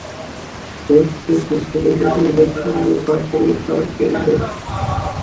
মসজিদ মুসলমানদের বিভিন্ন ধর্মীয় কার্যাবলীর প্রাণকেন্দ্র।